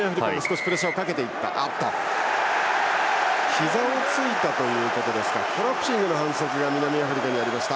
ひざをついたということでコラプシングの反則が南アフリカにありました。